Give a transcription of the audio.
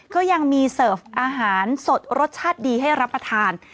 ก็ยังมีเสิร์ฟอาหารสดรสชาติดีให้รับประทาน